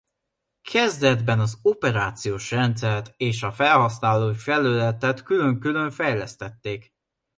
Kezdetben az operációs rendszert és a felhasználói felületet külön-külön fejlesztették.